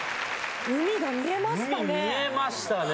海見えましたね！